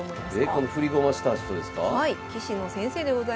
この振り駒した人ですか？